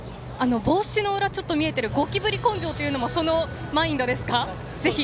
帽子の裏、ちょっと見えている「ゴキブリ根性」というのもそのマインドですか？